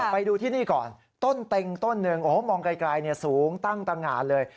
ไปดูที่นี่ก่อนต้นเต็งต้นหนึ่งโอ้โหมองไกลสูงตั้งตะงานเลย